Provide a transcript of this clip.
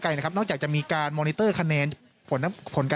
ไกรนะครับนอกจากจะมีการคณีตเตอร์คะเนนผลผลการ